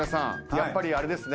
やっぱりあれですね。